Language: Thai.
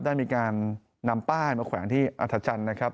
ได้มีการนำป้ายมาแขวนที่อัฐจันทร์นะครับ